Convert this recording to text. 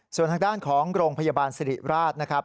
ส่วนทางด้านของโรงพยาบาลสิริราชนะครับ